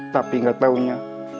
tapi nggak taunya